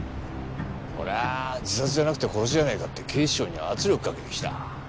これは自殺じゃなくて殺しじゃないかって警視庁に圧力かけてきた。